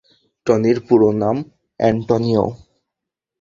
টনির পুরো নাম অ্যান্টনিও?